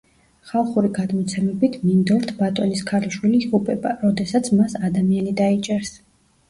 ხალხური გადმოცემებით, მინდორთ ბატონის ქალიშვილი იღუპება, როდესაც მას ადამიანი დაიჭერს.